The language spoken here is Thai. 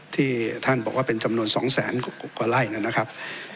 ที่ท่านบอกว่าเป็นจำนวน๒แสนกว่าไร่นะครับ